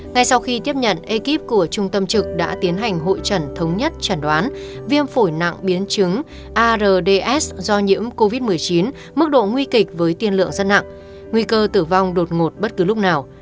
ngay sau khi tiếp nhận ekip của trung tâm trực đã tiến hành hội trần thống nhất chẩn đoán viêm phổi nặng biến chứng ards do nhiễm covid một mươi chín mức độ nguy kịch với tiên lượng rất nặng nguy cơ tử vong đột ngột bất cứ lúc nào